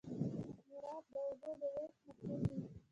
میرآب د اوبو د ویش مسوول وي.